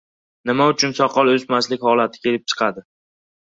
Nima uchun soqol o‘smaslik holati kelib chiqadi?